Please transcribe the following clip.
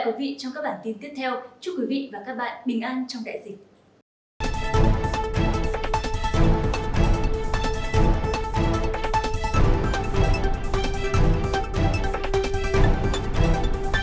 hãy đăng ký kênh để nhận thêm những video mới nhất hãy đăng ký kênh để nhận thêm những video mới nhất